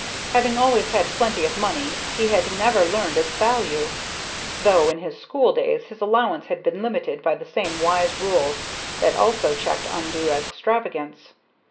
Having always had plenty of money, he had never learned its value, though in his school days his allowance had been limited by the same wise rules that also checked undue extravagance.